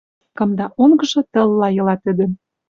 Кымда онгжы тылла йыла тӹдӹн: